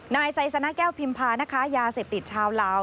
นายไซสนะแก้วพิมพานะคะยาเสพติดชาวลาว